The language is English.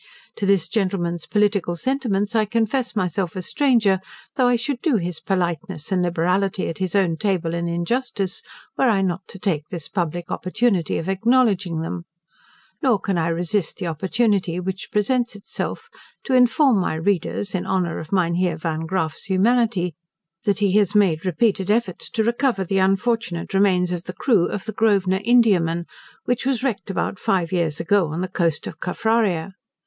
To this gentleman's political sentiments I confess myself a stranger; though I should do his politeness and liberality at his own table an injustice, were I not to take this public opportunity of acknowledging them; nor can I resist the opportunity which presents itself, to inform my readers, in honor of M. Van Graaffe's humanity, that he has made repeated efforts to recover the unfortunate remains of the crew of the Grosvenor Indiaman, which was wrecked about five years ago on the coast of Caffraria.